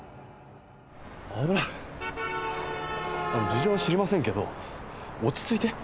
事情は知りませんけど落ち着いて。